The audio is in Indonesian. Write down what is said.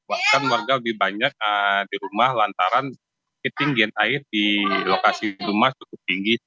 bahkan warga lebih banyak di rumah lantaran ketinggian air di lokasi rumah cukup tinggi